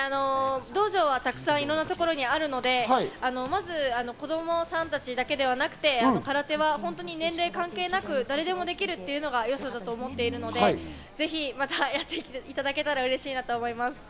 道場はいろんなところにたくさんあるので、まず子供さんたちだけではなくて、空手は本当に年齢関係なく誰でもできるというのが良さだと思っているので、ぜひ、またやっていただけたら嬉しいなと思います。